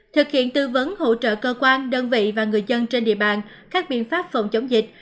thực hiện tư vấn hỗ trợ cơ quan đơn vị và người dân trên địa bàn các biện pháp phòng chống dịch